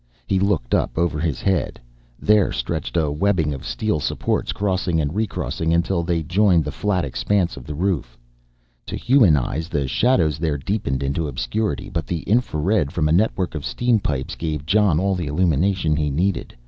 He looked up over his head, there stretched a webbing of steel supports, crossing and recrossing until they joined the flat expanse of the roof. To human eyes the shadows there deepened into obscurity, but the infra red from a network of steam pipes gave Jon all the illumination he needed.